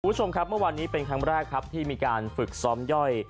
คุณผู้ชมครับเมื่อวานนี้เป็นครั้งแรกครับที่มีการฝึกซ้อมย่อย